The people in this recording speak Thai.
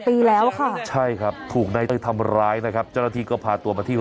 ปีแล้วค่ะใช่ครับถูกนายเต้ยทำร้ายนะครับเจ้าหน้าที่ก็พาตัวมาที่